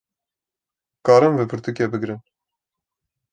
karin vê pirtûkê bigrin